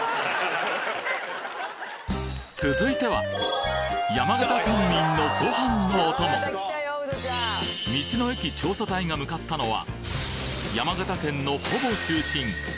続いては山形県民のご飯のお供道の駅調査隊が向かったのは山形県のほぼ中心